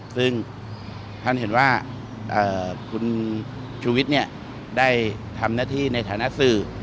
ซึ่งท่านเห็นว่าคุณชูวิทย์ได้ทำหน้าที่ในฐานะสื่อ